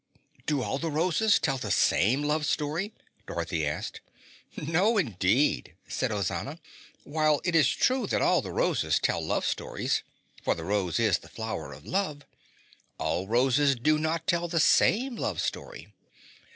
"Do all the roses tell the same love story?" Dorothy asked. "No indeed," said Ozana. "While it is true that all the roses tell love stories for the rose is the flower of love all roses do not tell the same love story.